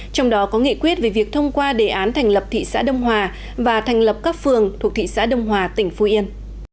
trong đó có nghị quyết về việc thông qua đề án thành lập thị xã đông hòa và thành lập các phường thuộc thị xã đông hòa tỉnh phú yên